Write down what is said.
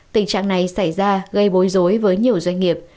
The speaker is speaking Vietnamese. tình trạng này xảy ra gây bối rối với nhiều doanh nghiệp